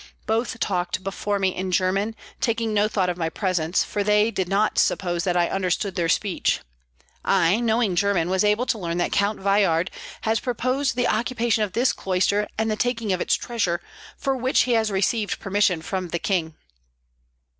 Both talked before me in German, taking no thought of my presence; for they did not suppose that I understood their speech. I knowing German, was able to learn that Count Veyhard has proposed the occupation of this cloister and the taking of its treasure, for which he has received permission from the king."